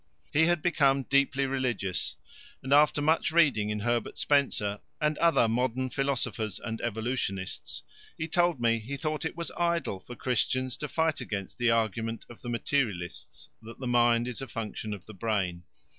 He had become deeply religious, and after much reading in Herbert Spencer and other modern philosophers and evolutionists, he told me he thought it was idle for Christians to fight against the argument of the materialists that the mind is a function of the brain.